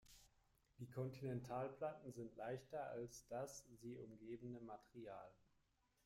Die Kontinentalplatten sind leichter als das sie umgebende Material.